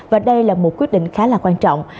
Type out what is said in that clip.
và đây là một quyết định khá là quan trọng